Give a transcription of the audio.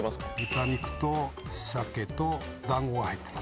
豚肉と鮭と団子が入ってます。